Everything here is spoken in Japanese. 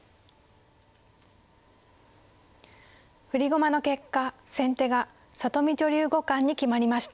振り駒の結果先手が里見女流五冠に決まりました。